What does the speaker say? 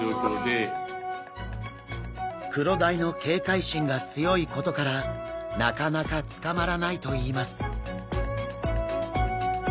クロダイの警戒心が強いことからなかなか捕まらないといいます。